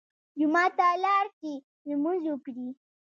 جومات ته لاړ چې لمونځ وکړي.